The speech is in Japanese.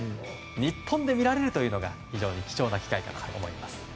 日本で見られるというのが非常に貴重な機会かと思います。